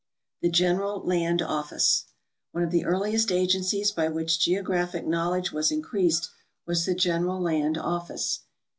The General Land Office. — One of the earliest agencies b}'' which geographic knowledge was increased was the General Land Office.